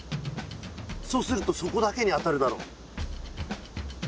そうすると底だけに当たるだろ。